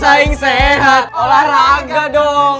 bersaing sehat olahraga dong